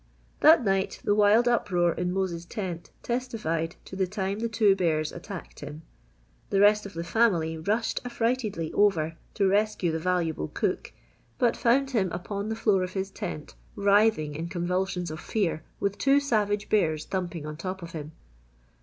That night the wild uproar in Mose's tent testified to the time the two bears attacked him. The rest of the family rushed affrightedly over to rescue the valuable cook, but found him upon the floor of his tent writhing in convulsions of fear with two savage bears thumping on top of him.